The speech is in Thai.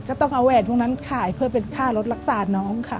ก็ต้องเอาแหวนพวกนั้นขายเพื่อเป็นค่ารถรักษาน้องค่ะ